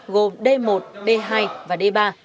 gồm d một d hai và d ba